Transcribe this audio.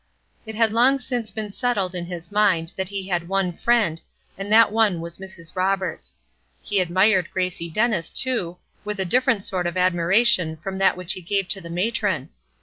It had long since been settled in his mind that he had one friend, and that one was Mrs. Roberts. He admired Gracie Dennis, too, with a different sort of admiration from that which he gave to the matron.